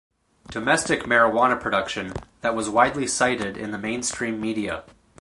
Domestic Marijuana Production that was widely cited in the mainstream media.